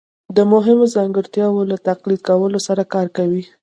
د مهمو ځانګړتیاوو له تقلید کولو سره کار کوي